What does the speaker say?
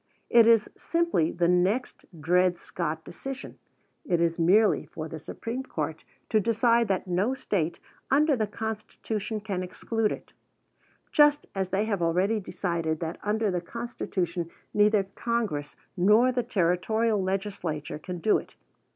It is simply the next Dred Scott decision. It is merely for the Supreme Court to decide that no State under the Constitution can exclude it, just as they have already decided that under the Constitution neither Congress nor the Territorial legislature can do it.